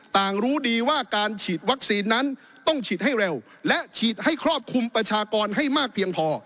รู้ดีว่าการฉีดวัคซีนนั้นต้องฉีดให้เร็วและฉีดให้ครอบคลุมประชากรให้มากเพียงพอ